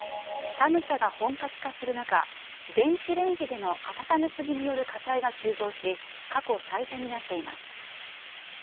寒さが本格化する中、電子レンジでの温め過ぎによる火災が急増し、過去最多になっています。